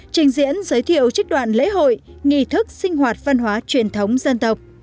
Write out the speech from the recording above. trình diễn giới thiệu trích đoạn lễ hội nghị thức sinh hoạt văn hóa truyền thống dân tộc